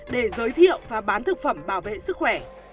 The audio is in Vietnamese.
để giới thiệu và bán thực phẩm bảo vệ sức khỏe